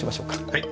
はい。